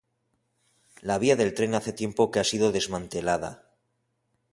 La vía del tren hace tiempo que ha sido desmantelada.